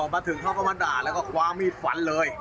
มาถึงท่อประมาณราชแล้วก็ความมีดฝันเลย